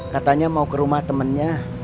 katanya mau ke rumah temannya